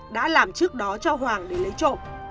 đã làm trước đó cho hoàng để lấy trộm